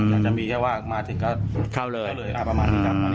อยากจะมีแค่ว่ามาเถอะก็เข้าเลยประมาณนี้ครับ